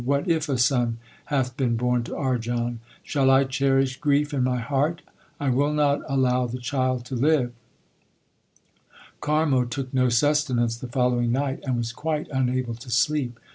What if a son hath been born to Arjan ? Shall I cherish grief in my heart ? I will not allow the child to live/ Karmo took no sustenance the following night, and was qiiite unable to sleep.